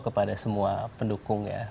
kepada semua pendukungnya